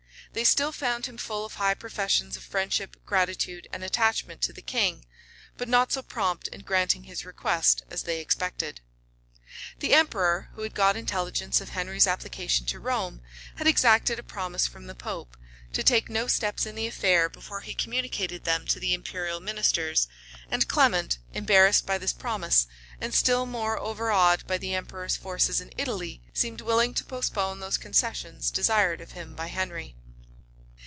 They still found him full of high professions of friendship, gratitude, and attachment to the king; but not so prompt in granting his request as they expected. The emperor, who had got intelligence of Henry's application to Rome, had exacted a promise from the pope, to take no steps in the affair before he communicated them to the imperial ministers; and Clement, embarrassed by this promise, and still more overawed by the emperor's forces in Italy, seemed willing to postpone those concessions desired of him by Henry.